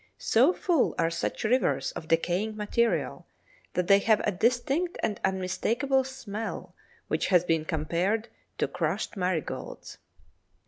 So full are such rivers of decaying material that they have a distinct and unmistakable smell, which has been compared to "crushed marigolds."